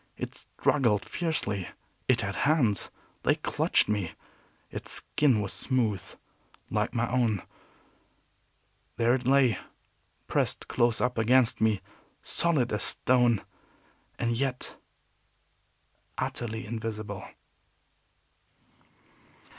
It struggled fiercely. It had hands. They clutched me. Its skin was smooth, like my own. There it lay, pressed close up against me, solid as stone, and yet utterly invisible!